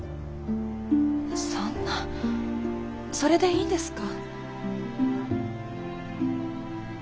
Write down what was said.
そんなそれでいいんですか？